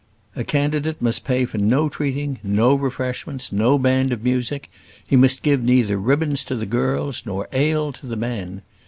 A candidate must pay for no treating, no refreshments, no band of music; he must give neither ribbons to the girls nor ale to the men.